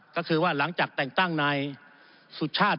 ก็คือว่าหลังจากแต่งตั้งนายสุชาติ